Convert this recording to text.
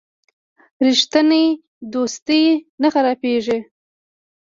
رښتینی دوستي نه خرابیږي.